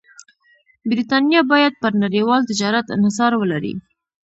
برېټانیا باید پر نړیوال تجارت انحصار ولري.